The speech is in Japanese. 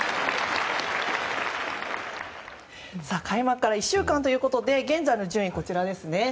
開幕から１週間ということで現在の順位はこちらです。